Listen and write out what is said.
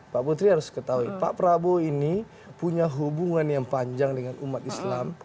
pak putri harus ketahui pak prabowo ini punya hubungan yang panjang dengan umat islam